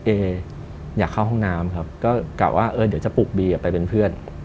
เออยากเข้าห้องน้ำครับก็กะว่าเออเดี๋ยวจะปลุกบีไปเป็นเพื่อน